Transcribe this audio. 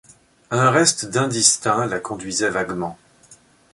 Un reste d’instinct la conduisait vaguement.